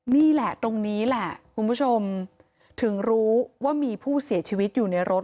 นี่แหละตรงนี้แหละคุณผู้ชมถึงรู้ว่ามีผู้เสียชีวิตอยู่ในรถ